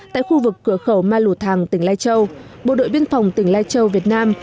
tại khu vực cửa khẩu ma lù thàng tỉnh lai châu bộ đội biên phòng tỉnh lai châu việt nam